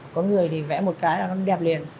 có người thì vẽ một cái là nó đẹp liền